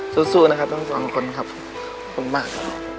สู้นะครับทั้งสองคนผมหวัง